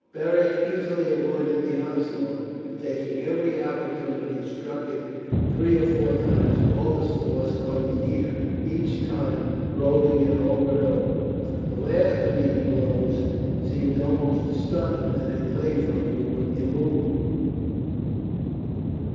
Beric easily avoided the onslaught, and taking every opportunity struck it three or four times with all his force on the ear, each time rolling it over and over. The last of these blows seemed almost to stun it, and it lay for a moment immovable.